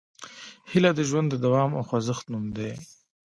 هیله د ژوند د دوام او خوځښت نوم دی.